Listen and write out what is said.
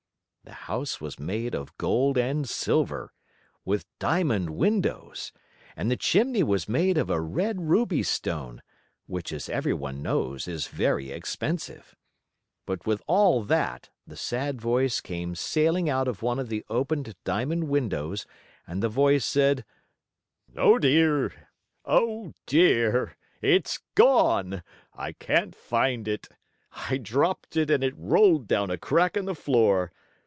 The house was made of gold and silver, with diamond windows, and the chimney was made of a red ruby stone, which, as every one knows, is very expensive. But with all that the sad voice came sailing out of one of the opened diamond windows, and the voice said: "Oh, dear! It's gone! I can't find it! I dropped it and it rolled down a crack in the floor.